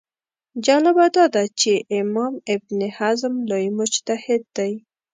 جالبه دا ده چې امام ابن حزم لوی مجتهد دی